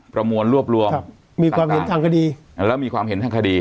ประมวลรวบรวมครับมีความเห็นทางคดีแล้วมีความเห็นทางคดี